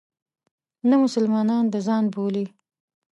نه مسلمانان د ځان بولي.